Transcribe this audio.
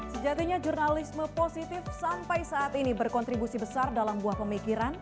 sejatinya jurnalisme positif sampai saat ini berkontribusi besar dalam buah pemikiran